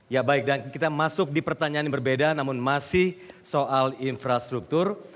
ya baik dan kita masuk di pertanyaan yang berbeda namun masih soal infrastruktur